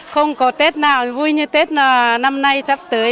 không có tết nào vui như tết năm nay sắp tới